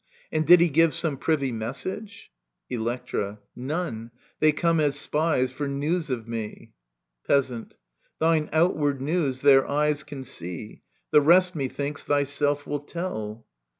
And did he give Some privy message ? Electra. None : they come as spies For news of me. Peasant. Thine outward news their eyes Can see ; the rest^ methinks, thyself will tell.